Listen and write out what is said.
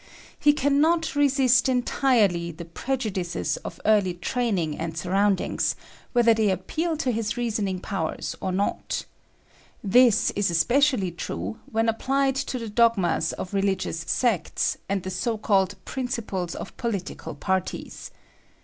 He cannot resist en tirely the prejudices of early training and surroundings, whether they appeal to his rea soning powers or not. This is especially true when applied to the dogmas of religious sects and the so called principles of political parties.